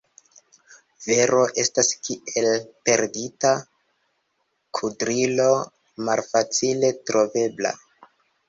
Vero estas kiel perdita kudrilo – malfacile trovebla.